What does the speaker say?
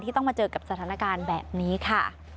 ต้องมาเจอกับสถานการณ์แบบนี้ค่ะ